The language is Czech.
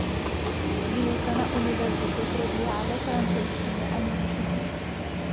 Výuka na univerzitě probíhá ve francouzštině a němčině.